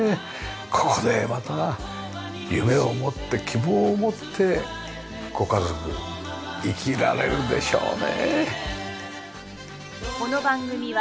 ここでまた夢を持って希望を持ってご家族生きられるでしょうね。